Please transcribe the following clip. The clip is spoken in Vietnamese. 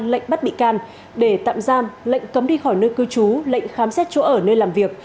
lệnh bắt bị can để tạm giam lệnh cấm đi khỏi nơi cư trú lệnh khám xét chỗ ở nơi làm việc